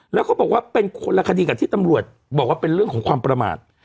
แล้วเขาบอกว่าเป็นคนละคดีกับที่ตำรวจบอกว่าเป็นเรื่องของความประมาท